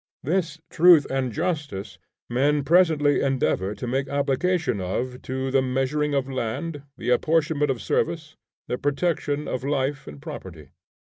This truth and justice men presently endeavor to make application of to the measuring of land, the apportionment of service, the protection of life and property.